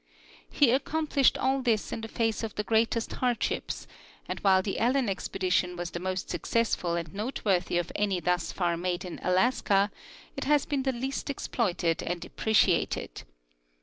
He accomplished all this in the face of the greatest hardships; and while the Allen expedition was the most successful and noteworthy of any thus far made in Alaska, it has been the least exploited and appreciated.